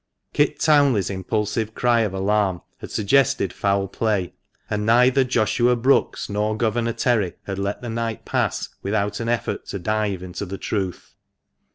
Kit Townley's impulsive cry of alarm had suggested foul play, and neither Joshua Brookes nor Governor Terry had let the night pass without an effort to dive into the truth.